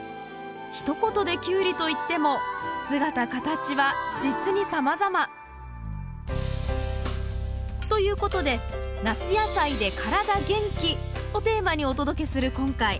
ひと言でキュウリといっても姿形はじつにさまざま。ということで「夏野菜でカラダ元気」をテーマにお届けする今回。